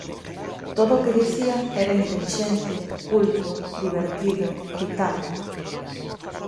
Todo o que dicían era intelixente, culto, divertido, vital.